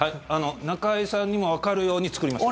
中居さんにもわかるように作りました。